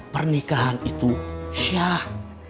pernikahan itu syah